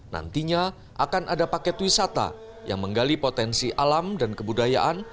nantinya akan ada paket wisata yang menggali potensi alam dan kebudayaan